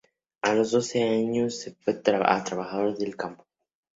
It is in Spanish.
A los doce años se fue a trabajar al campo.